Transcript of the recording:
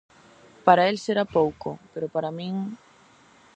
Para el será pouco, pero para min...